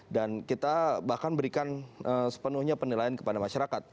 dan kita bahkan berikan sepenuhnya penilaian kepada masyarakat